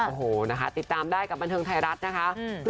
โอ้โหนะคะติดตามได้กับบันเทิงไทยรัฐนะคะ